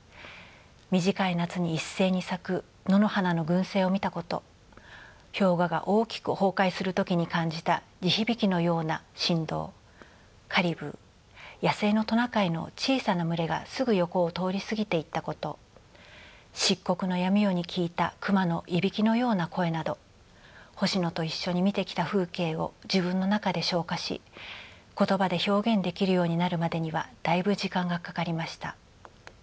短い夏に一斉に咲く野の花の群生を見たこと氷河が大きく崩壊する時に感じた地響きのような震動カリブー野生のトナカイの小さな群れがすぐ横を通り過ぎていったこと漆黒の闇夜に聞いたクマのいびきのような声など星野と一緒に見てきた風景を自分の中で消化し言葉で表現できるようになるまでにはだいぶ時間がかかりました。